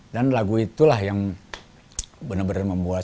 dan lagu itulah yang bener bener membuat